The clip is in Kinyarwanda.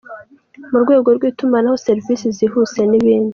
Mu rwego rw’itumanaho, serivisi zihuse n’ibindi.